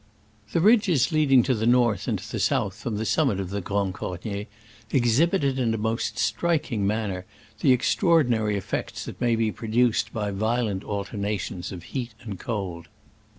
The ridges leading to the north and to the south from the summit of the Grand Cornier exhibited in a most striking manner the extraordinary effects that may be produced by violent alternations of heat and cold.